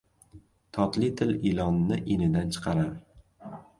• Totli til ilonni inidan chiqarar.